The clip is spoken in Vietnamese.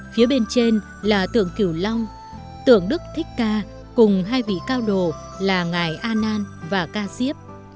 phía bên trên là tượng kiểu long tượng đức thích ca cùng hai vị cao đồ là ngài anan và ca diếp